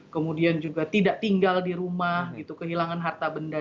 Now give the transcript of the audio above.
kemudian juga tidak tinggal di rumah kehilangan harta benda